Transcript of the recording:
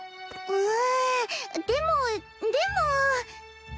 うんでもでも。